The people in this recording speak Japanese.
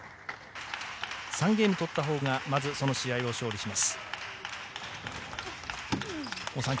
３ゲーム取ったほうがその試合を勝利します。